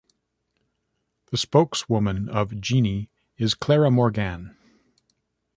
The spokeswoman of Gini is Clara Morgane.